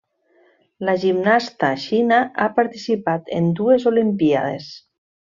La gimnasta Xina ha participat en dues Olimpíades.